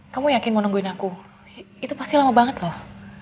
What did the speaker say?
kamu yakin mau nungguin aku itu pasti lama banget loh